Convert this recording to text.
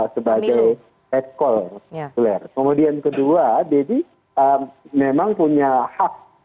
sebagai headquarter kemudian kedua deddy memang punya hak